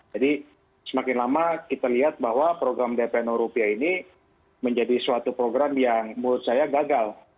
jadi semakin lama kita lihat bahwa program dp rupiah ini menjadi suatu program yang menurut saya gagal